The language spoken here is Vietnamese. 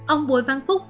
ông bùi văn phúc